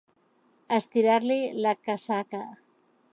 Estirar-li la casaca.